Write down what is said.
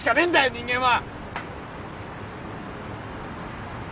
人間は。